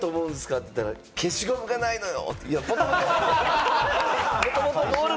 って言ったら、消しゴムがないのよ！